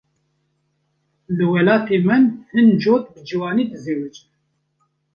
Li welatê min hin cot bi ciwanî dizewicin.